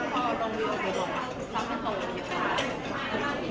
โปรดติดตามต่อไป